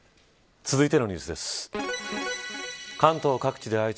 続いてのニュースです。